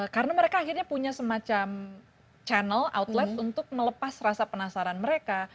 karena mereka akhirnya punya semacam channel outlet untuk melepas rasa penasaran mereka